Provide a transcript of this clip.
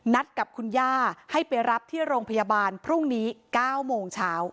นัดกับคุณย่าให้ไปรับที่โรงพยาบาลพรุ่งนี้๙โมงเช้า